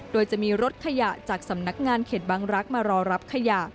โดยจะมีรถขยะจากสำนักงานเขตบางรักษ์มารอรับขยะ